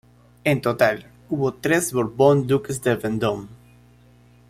En total, hubo tres Borbón duques de Vendôme.